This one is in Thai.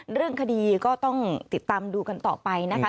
เรื่องคดีก็ต้องติดตามดูกันต่อไปนะคะ